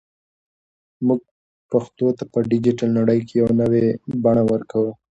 موږ پښتو ته په ډیجیټل نړۍ کې یو نوی بڼه ورکوو.